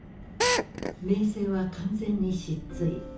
名声は完全に失墜。